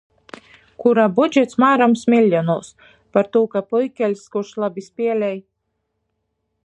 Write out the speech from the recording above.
Kura budžets māroms miļjonūs. Partū ka puikeļs, kurs labi spielej